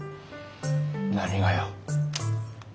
何がよ。